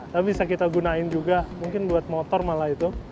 tapi bisa kita gunain juga mungkin buat motor malah itu